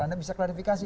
anda bisa klarifikasi